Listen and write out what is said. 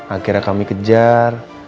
akhirnya kami kejar